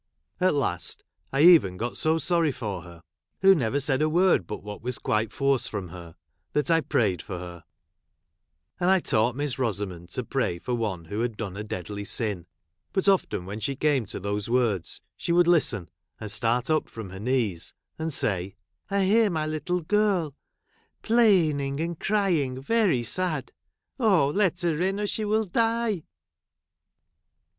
At ! last I even got so sorry for her — who never said a word but what was quite forced from her — ^that I prayed for her ; and I taught ' Miss Rosamond to pray for one who had done 1 a deadly sin ; but often when she came to those words, she would listen, and start up from her knees, and say, " I hear my little girl plaining and crying very sad — Oh ! let i her in, or she will die